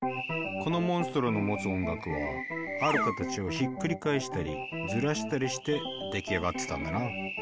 このモンストロの持つ音楽はある形をひっくり返したりずらしたりして出来上がってたんだな。